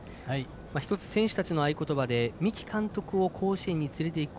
１つ、選手たちの合言葉で三木監督を甲子園につれていく。